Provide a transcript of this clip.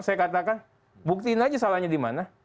saya katakan buktiin aja salahnya di mana